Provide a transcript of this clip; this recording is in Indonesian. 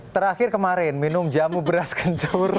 terakhir kemarin minum jamu beras kencur